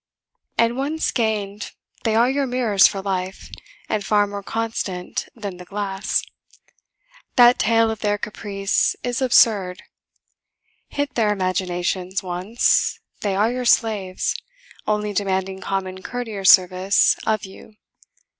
And once gained they are your mirrors for life, and far more constant than the glass. That tale of their caprice is absurd. Hit their imaginations once, they are your slaves, only demanding common courtier service of you.